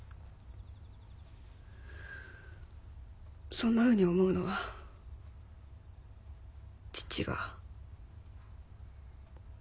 そんなふうに思うのは父が。